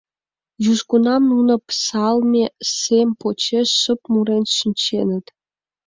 Южгунам нуно псалме сем почеш шып мурен шинченыт.